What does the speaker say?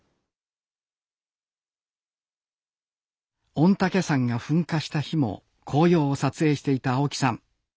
御嶽山が噴火した日も紅葉を撮影していた青木さん。